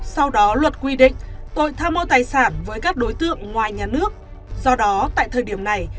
sau đó luật quy định tội tham mô tài sản với các đối tượng ngoài nhà nước do đó tại thời điểm này